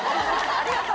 ありがとう！